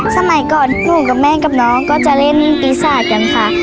สมัยก่อนหนูกับแม่กับน้องก็จะเล่นปีศาจกันค่ะ